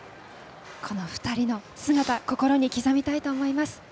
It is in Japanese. この２人の姿心に刻みたいと思います。